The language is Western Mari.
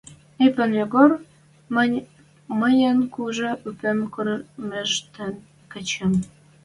Ипон Йогор, мӹньӹн кужы ӱпем кормежтен кычен